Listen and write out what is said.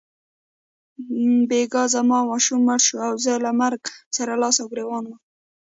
بیګا زما ماشوم مړ شو او زه له مرګ سره لاس او ګرېوان وم.